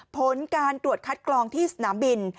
ผลการตรวจคัดกรองที่สนามบิน